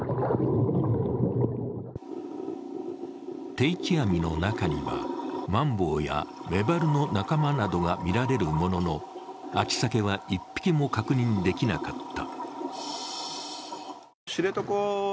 定置網の中にはマンボウやメバルの仲間などが見られるものの秋鮭は１匹も確認できなかった。